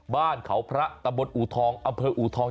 บ้านเขาพระตะบดอุทองอเภออุทอง